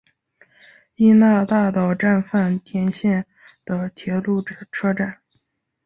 伊那大岛站饭田线的铁路车站。